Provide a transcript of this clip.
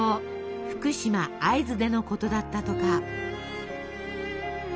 福島会津でのことだったとか。